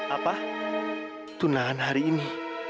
apa tunahan hari ini